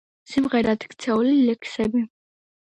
სიმღერად ქცეული ლექსები